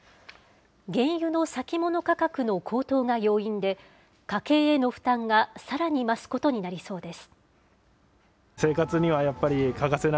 原油の先物価格の高騰が要因で、家計への負担がさらに増すことになりそうです。